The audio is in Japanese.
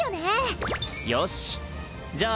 よしじゃあ